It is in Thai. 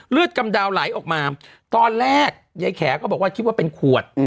กำดาวไหลออกมาตอนแรกยายแขก็บอกว่าคิดว่าเป็นขวด